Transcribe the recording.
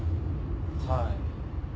はい。